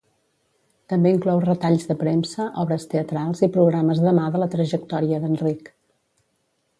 També inclou retalls de premsa, obres teatrals i programes de mà de la trajectòria d'Enric.